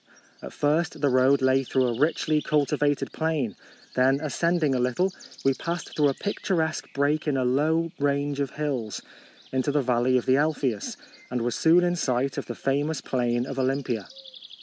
At first the road lay through a richly cultivated plain ; then ascending a little, we passed through a picturesque break in a low range of hills, into the valley of the Alpheus, and were soon in sight of the famous plain of Olympia.